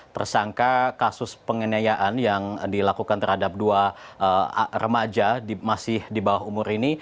tersangka kasus pengenayaan yang dilakukan terhadap dua remaja masih di bawah umur ini